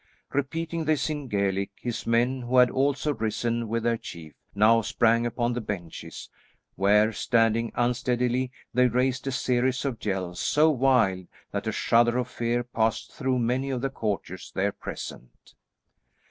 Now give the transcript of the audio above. Repeating this in Gaelic, his men, who had also risen with their chief, now sprang upon the benches, where standing unsteadily, they raised a series of yells so wild that a shudder of fear passed through many of the courtiers there present.